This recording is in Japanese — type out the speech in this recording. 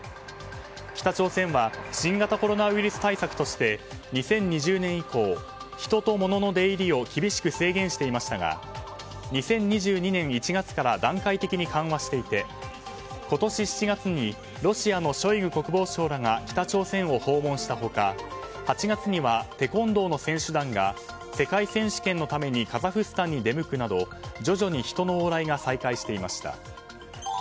北朝鮮は新型コロナウイルス対策として２０２０年以降人と物の出入りを厳しく制限していましたが２０２２年１月から段階的に緩和していて今年７月にロシアのショイグ国防相らが北朝鮮を訪問した他８月にはテコンドーの選手団が世界選手権のためにカザフスタンに出向くなど徐々に人の往来が再開していました。